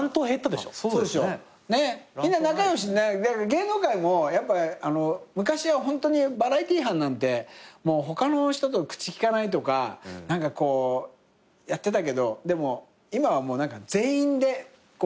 芸能界もやっぱ昔はホントにバラエティー班なんて他の人と口利かないとか何かこうやってたけど今はもう全員でこうやってるみたいな。